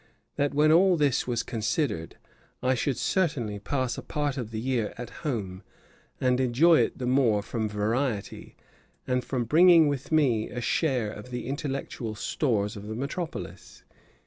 That when all this was considered, I should certainly pass a part of the year at home, and enjoy it the more from variety, and from bringing with me a share of the intellectual stores of the metropolis.